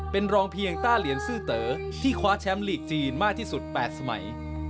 เป็นรองเพียงต้าเหรียญซื่อเต๋อที่คว้าแชมป์ลีกจีนมากที่สุด๘สมัย